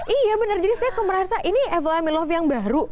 iya benar jadi saya kok merasa ini evel amin love yang baru